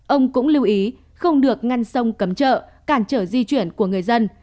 ông cũng lưu ý không được ngăn sông cấm chợ cản trở di chuyển của người dân